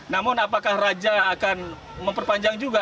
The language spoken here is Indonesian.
namun apakah raja akan memperpanjang juga